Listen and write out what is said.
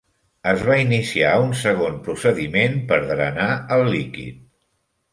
Es va iniciar un segon procediment per drenar el líquid.